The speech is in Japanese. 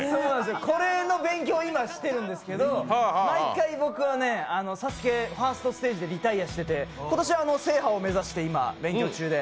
これの勉強を今してるんですけど毎回僕は「ＳＡＳＵＫＥ」ファーストステージでリタイアしてて、今年、制覇を目指して今、勉強中で。